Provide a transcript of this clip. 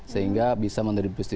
sehingga bisa menerbitkan kekuatan